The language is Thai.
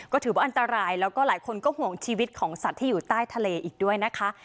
ก็ถือว่าอันตรายแล้วก็หลายคนก็ห่วงชีวิตของสัตว์ที่อยู่ใต้ทะเลอีกด้วยนะคะ